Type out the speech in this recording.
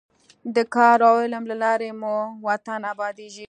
د کار او علم له لارې مو وطن ابادېږي.